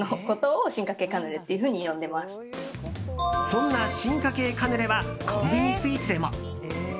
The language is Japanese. そんな進化形カヌレはコンビニスイーツでも。